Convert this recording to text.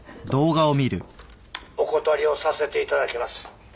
お断りをさせていただきます。